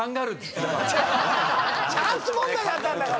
チャンス問題だったんだから！